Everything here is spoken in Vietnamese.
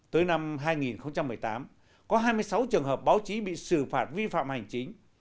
tới năm hai nghìn một mươi tám có hai mươi sáu trường hợp báo chí bị xử phạt vi phạm hành chính